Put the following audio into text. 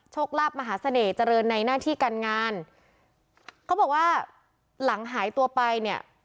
ลาบมหาเสน่ห์เจริญในหน้าที่การงานเขาบอกว่าหลังหายตัวไปเนี่ย